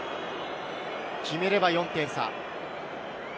決めれば４点差。